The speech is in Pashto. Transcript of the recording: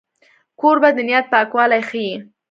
کوربه د نیت پاکوالی ښيي.